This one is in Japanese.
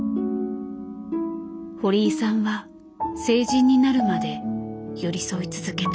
堀井さんは成人になるまで寄り添い続けた。